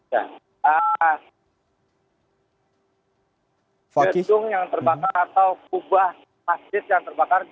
jendung yang terbakar atau kubah masjid yang terbakar